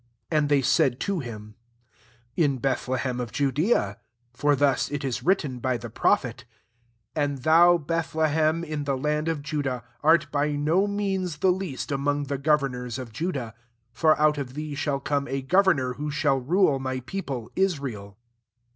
5 .4nd they said to him, « In Bethlehem of Judea : for thus it is written by the propf^t: 6 < Jhid thou, Bethlehem, in the land of Judah, art by no means the least among the govemora oj Judah : for out qfthee shall come a governor who shall rule my people Israel.